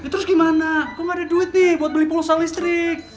terus gimana kok ada duit nih buat beli pulsa listrik